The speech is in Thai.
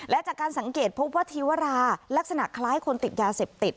และจากการสังเกตพบว่าธีวราลักษณะคล้ายคนติดยาเสพติด